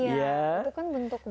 iya itu kan bentuk